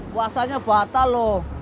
puasanya batal loh